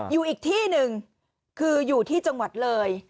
อยู่อีกที่หนึ่งคืออยู่ที่จังหวัดเลย